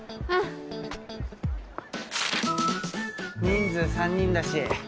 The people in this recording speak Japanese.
人数３人だし。